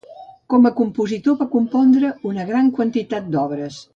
Com a compositor va compondre una gran quantitat d'obres.